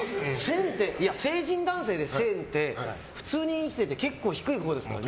成人男性で１０００って普通に生きてて結構低いほうですからね。